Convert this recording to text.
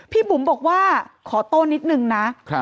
บุ๋มบอกว่าขอโทษนิดนึงนะ